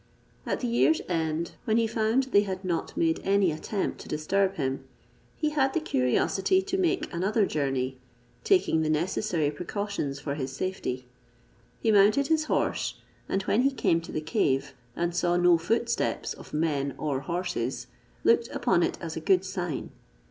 At the year's end, when he found they had not made any attempt to disturb him, he had the curiosity to make another journey, taking the necessary precautions for his safety. He mounted his horse, and when he came to the cave, and saw no footsteps of men or horses, looked upon it as a good sign.